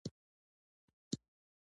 وروسته یې وویل چې ګټورې خبرې وکړې.